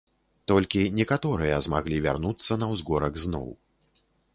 Толькі некаторыя змаглі вярнуцца на ўзгорак зноў.